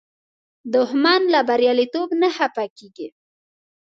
دښمن له بریالیتوب نه خفه کېږي